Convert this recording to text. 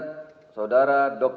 dan ketua dewan perwakilan rakyat